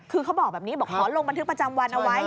คือเขาบอกแบบนี้บอกขอลงบันทึกประจำวันเอาไว้